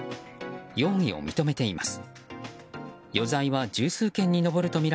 容疑を認めています。